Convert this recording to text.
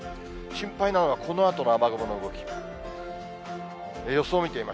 心配なのが、このあとの雨雲の動き。